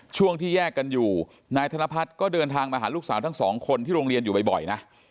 ช่วงที่แยกกันอยู่นายธนพัฒน์ก็เดินทางมาหาลูกสาวทั้งสองคนที่โรงเรียนอยู่บ่อยนะ